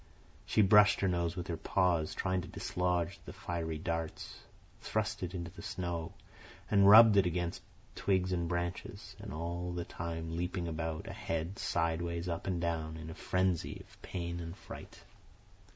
She brushed her nose with her paws, trying to dislodge the fiery darts, thrust it into the snow, and rubbed it against twigs and branches, and all the time leaping about, ahead, sidewise, up and down, in a frenzy of pain and fright.